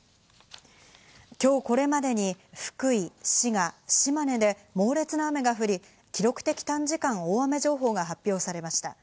今日これまでに福井、滋賀、島根で、猛烈な雨が降り、記録的短時間大雨情報が発表されました。